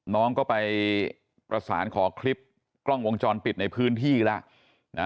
น้องก็ไปประสานขอคลิปกล้องวงจรปิดในพื้นที่แล้ว